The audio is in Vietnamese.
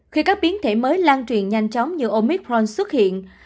khi các biến thể mới lan truyền nhanh chóng như omitron xuất hiện